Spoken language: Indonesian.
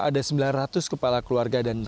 ada sembilan ratus kepala keluarga dan anak anak